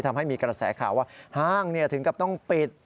ทำให้มีกระแสข่าวว่าห้างถึงกับต้องปิด